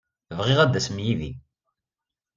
Bɣiɣ ad d-tasem yid-i.